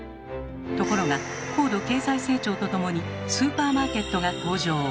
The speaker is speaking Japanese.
ところが高度経済成長とともにスーパーマーケットが登場。